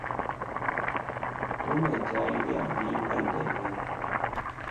Umemetrairia Mringa ideveni.